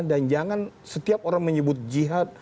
dan jangan setiap orang menyebut jihad